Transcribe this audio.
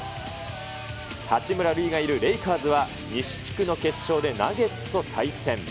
八村塁がいるレイカーズは、西地区の決勝でナゲッツと対戦。